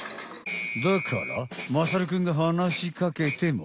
だからまさるくんがはなしかけても。